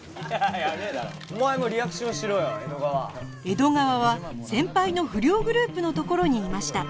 江戸川は先輩の不良グループの所にいました